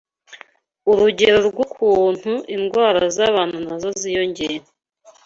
urugero rw’ukuntu indwara z’abantu na zo ziyongera